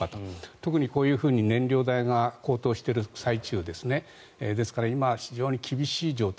特にこういうふうに燃料代が高騰している最中ですねですから今、非常に厳しい状態。